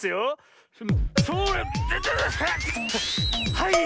はい！